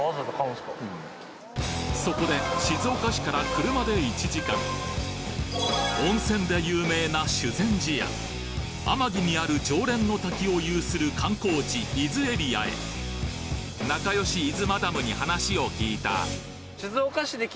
そこで静岡市から車で１時間温泉で有名な修善寺や天城にある浄蓮の滝を有する観光地伊豆エリアへ仲良し甘み？